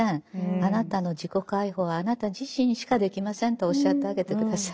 あなたの自己解放はあなた自身しかできません」とおっしゃってあげて下さい。